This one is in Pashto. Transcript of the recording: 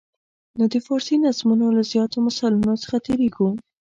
نو د فارسي نظمونو له زیاتو مثالونو څخه تېریږو.